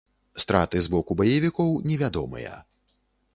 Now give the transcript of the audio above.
Страты з боку баевікоў невядомыя.